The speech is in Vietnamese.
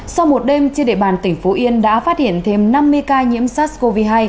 sau một đêm trên địa bàn tỉnh phú yên đã phát hiện thêm năm mươi ca nhiễm sars cov hai